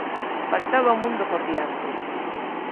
Faltaba un mundo por diante.